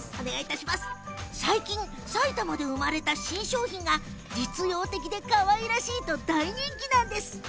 最近、埼玉で生まれた新商品が実用的でかわいらしいと大人気なんです。